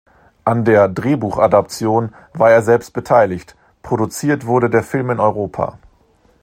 An der Drehbuchadaption war er selbst beteiligt, produziert wurde der Film in Europa.